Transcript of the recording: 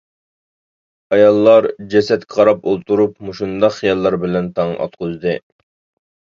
ئاياللار جەسەتكە قاراپ ئولتۇرۇپ، مۇشۇنداق خىياللار بىلەن تاڭ ئاتقۇزدى.